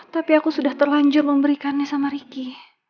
tapi aku sudah terlanjur memberikannya sama ricky